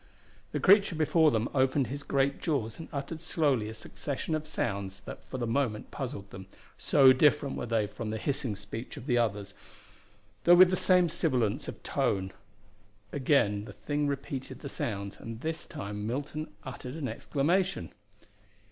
The creature before them opened his great jaws and uttered slowly a succession of sounds that for the moment puzzled them, so different were they from the hissing speech of the others, though with the same sibilance of tone. Again the thing repeated the sounds, and this time Milton uttered an exclamation.